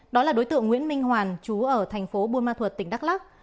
đó là đối tượng nguyễn minh hoàn chú ở thành phố buôn ma thuật tỉnh đắk lắc